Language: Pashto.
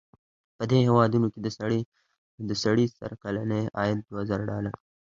په دې هېوادونو کې د سړي سر کلنی عاید دوه زره ډالره دی.